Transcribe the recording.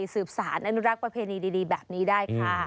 สืบสารอนุรักษ์ประเพณีดีแบบนี้ได้ค่ะ